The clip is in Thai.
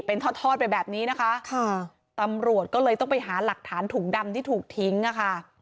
เป็นทอดทอดไปแบบนี้นะคะค่ะตำรวจก็เลยต้องไปหาหลักฐานถุงดำที่ถูกทิ้งอ่ะค่ะ